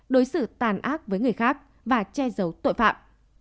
đối xử tàn ác với người khác và che giấu tội phạm